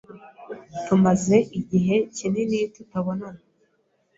Tumaze igihe kinini tutabonana.